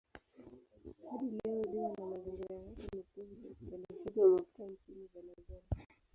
Hadi leo ziwa na mazingira yake ni kitovu cha uzalishaji wa mafuta nchini Venezuela.